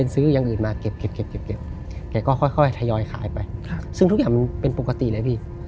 ซึ่งแม้ขายไปซึ่งทุกอย่างมันเป็นปกติเลยพี่